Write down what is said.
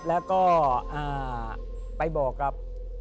แล้วก็ไปบอกกับ